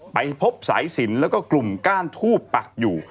ไปพบสายสินแล้วก็กลุ่มก้านทูบปักอยู่